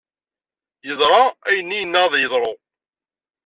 Yeḍra ayenni yenna ad yeḍra.